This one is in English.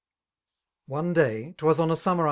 One day^ * 'twas on a summer.